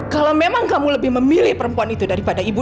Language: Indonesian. kalau memang kamu lebih memilih perempuan itu daripada ibu